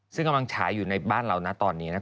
ซึ่งกำลังฉายอยู่ในบ้านเรานะตอนนี้